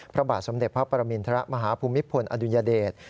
พระบาทสมเด็จพระปรมินทรมาฮภูมิพลอดุญเดช